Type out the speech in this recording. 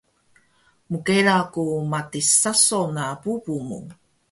Mkela ku matis saso na bubu mu